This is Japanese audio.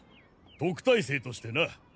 特待生としてな。